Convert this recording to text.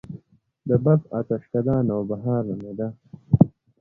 د بلخ اتشڪده نوبهار نومیده